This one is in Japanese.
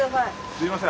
すいません。